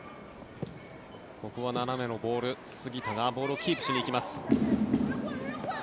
ここは斜めのボール杉田がボールをキープしにいきます。